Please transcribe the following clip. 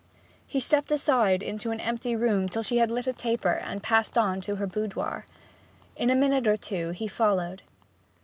He stepped aside into an empty room till she had lit a taper and had passed on to her boudoir. In a minute or two he followed.